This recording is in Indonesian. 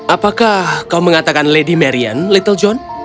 apakah kau mengatakan lady marian little john